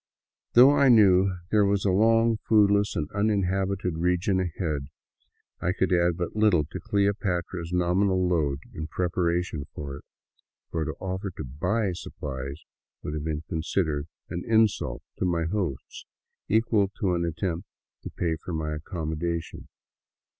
Though I knew there was a long, foodless, and uninhabited region ahead, I could add but little to " Cleopatra's " nominal load in prepara tion for it, for to offer to buy supplies would have been considered an insult to my hosts equal to an attempt to pay for my accommodation.